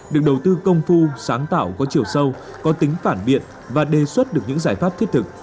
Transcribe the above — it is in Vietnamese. được đầu tư công phu sáng tạo có chiều sâu có tính phản biện và đề xuất được những giải pháp thiết thực